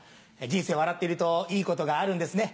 人生笑ってるといいことがあるんですね。